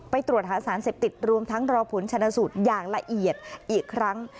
ตรวจหาสารเสพติดรวมทั้งรอผลชนะสูตรอย่างละเอียดอีกครั้ง